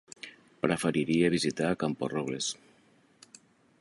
Preferiria visitar Camporrobles.